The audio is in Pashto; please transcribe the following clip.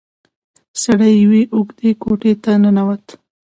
سړی يوې اوږدې کوټې ته ننوت.